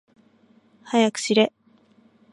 はやくしれ。